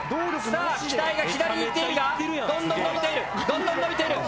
さあ機体が左に行っているがどんどんのびている。